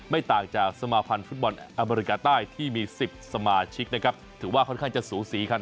ไม่ต่างจากสมาพันธ์ฟุตบอลอเมริกาใต้ที่มี๑๐สมาชิกนะครับถือว่าค่อนข้างจะสูสีคัน